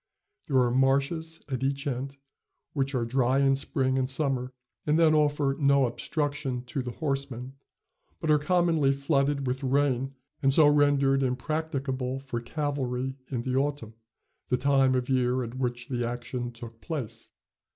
There are marshes at each end, which are dry in spring and summer and then offer no obstruction to the horseman, but are commonly flooded with rain and so rendered impracticable for cavalry in the autumn, the time of year at which the action took place.